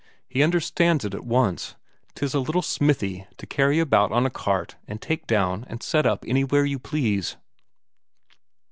He understands it at once 'tis a little smithy to carry about on a cart and take down and set up anywhere you please.